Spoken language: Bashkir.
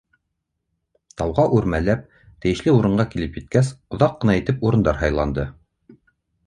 Тауға үрмәләп, тейешле урынға килеп еткәс, оҙаҡ ҡына итеп урындар һайланды.